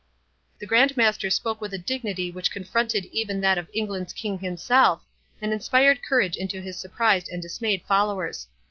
'" The Grand Master spoke with a dignity which confronted even that of England's king himself, and inspired courage into his surprised and dismayed followers.